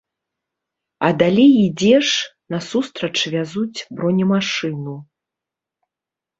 А далей ідзеш, насустрач вязуць бронемашыну.